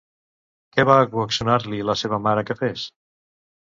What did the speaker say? Què va coaccionar-li la seva mare que fes?